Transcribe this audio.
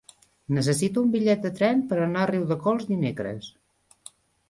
Necessito un bitllet de tren per anar a Riudecols dimecres.